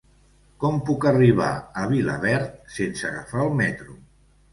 Com puc arribar a Vilaverd sense agafar el metro?